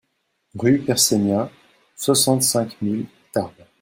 Rue de Perseigna, soixante-cinq mille Tarbes